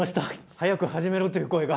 早く始めろという声が！